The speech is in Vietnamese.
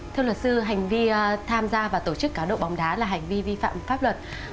thưa luật sư hành vi tham gia vào tổ chức cá độ bóng đá là hành vi vi phạm pháp luật